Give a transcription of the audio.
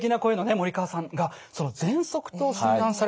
森川さんがぜんそくと診断され。